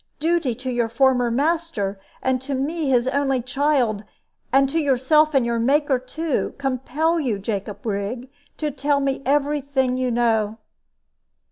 "Duty to your former master and to me, his only child and to yourself, and your Maker too compel you, Jacob Rigg, to tell me every thing you know."